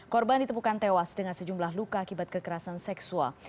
korban ditemukan tewas dengan sejumlah luka akibat kekerasan seksual